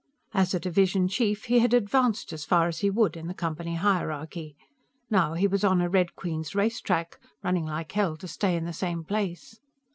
As a division chief, he had advanced as far as he would in the Company hierarchy; now he was on a Red Queen's racetrack, running like hell to stay in the same place.